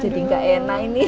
jadi enggak enak ini